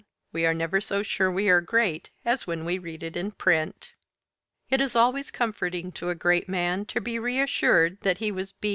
We are never so sure we are great as when we read it in print. It is always comforting to a great man to be reassured that he was "_b.